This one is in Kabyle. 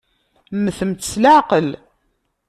Mmtemt s leɛqel!